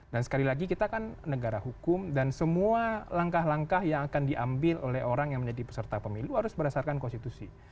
sekali lagi kita kan negara hukum dan semua langkah langkah yang akan diambil oleh orang yang menjadi peserta pemilu harus berdasarkan konstitusi